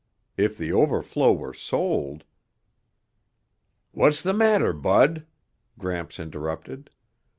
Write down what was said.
If the overflow were sold ... "What's the matter, Bud?" Gramps interrupted.